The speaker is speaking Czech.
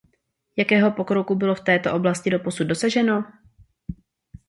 Jakého pokroku bylo v této oblasti doposud dosaženo?